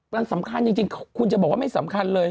มันสำคัญจริงคุณจะบอกว่าไม่สำคัญเลย